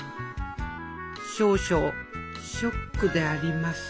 少々ショックであります